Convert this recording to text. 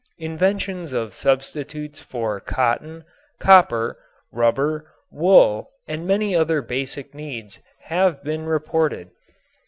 Inventions of substitutes for cotton, copper, rubber, wool and many other basic needs have been reported.